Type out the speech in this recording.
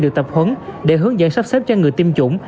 được tập huấn để hướng dẫn sắp xếp cho người tiêm chủng